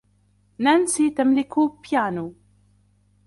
نانسي تملك بيانو.